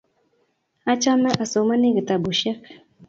achame asomani kitabushek